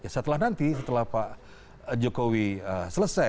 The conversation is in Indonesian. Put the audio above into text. setelah nanti setelah pak jokowi selesai